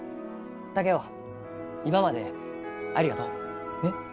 竹雄今までありがとう。えっ？